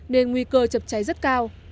nên nguy cơ chập cháy rất cao